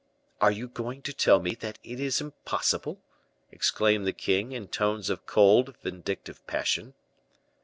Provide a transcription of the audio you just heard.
"Are you going to tell me that it is impossible?" exclaimed the king, in tones of cold, vindictive passion.